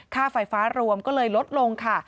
ค่าไฟฟ้ารวมก็เลยลดลงค่ะ